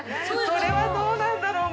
それはどうなんだろう。